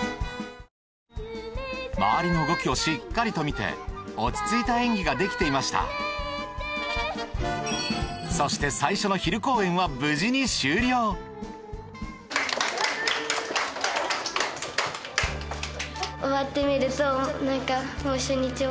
周りの動きをしっかりと見て落ち着いた演技ができていましたそして最初の昼終わってみると何か。